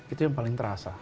itu yang paling terasa